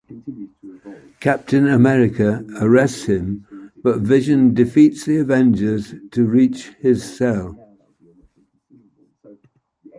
Captain America arrests him, but Vision defeats the Avengers to reach his cell.